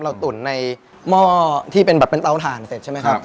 ตุ๋นในหม้อที่เป็นแบบเป็นเตาถ่านเสร็จใช่ไหมครับ